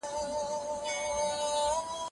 متقابلې اړیکې ټولنه پیاوړې کوي.